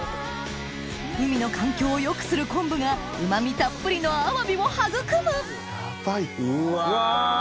海の環境を良くする昆布がうま味たっぷりのアワビを育むうわ